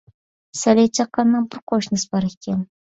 سەلەي چاققاننىڭ بىر قوشنىسى بار ئىكەن.